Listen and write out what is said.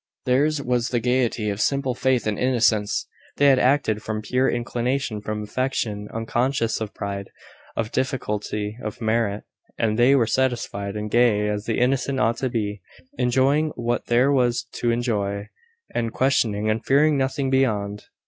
Theirs was the gaiety of simple faith and innocence. They had acted from pure inclination, from affection, unconscious of pride, of difficulty, of merit; and they were satisfied, and gay as the innocent ought to be, enjoying what there was to enjoy, and questioning and fearing nothing beyond.